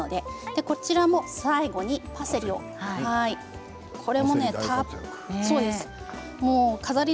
こちらも最後にパセリをたっぷり。